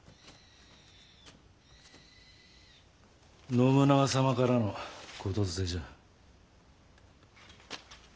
信長様からの言づてじゃ。